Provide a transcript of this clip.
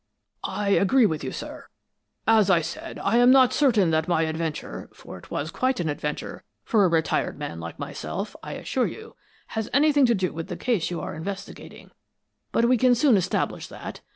"I agree with you, sir. As I said, I am not certain that my adventure for it was quite an adventure for a retired man like myself, I assure you has anything to do with the case you are investigating, but we can soon establish that.